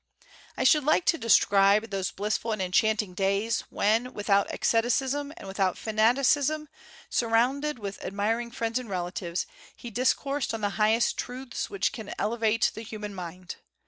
I should like to describe those blissful and enchanting days, when without asceticism and without fanaticism, surrounded with admiring friends and relatives, he discoursed on the highest truths which can elevate the human mind.